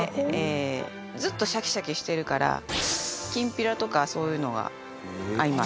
ずっとシャキシャキしてるからきんぴらとかそういうのが合います。